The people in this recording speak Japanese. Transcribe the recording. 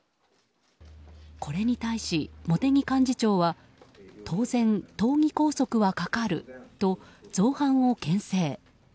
これに対し、茂木幹事長は当然、党議拘束はかかると造反を牽制。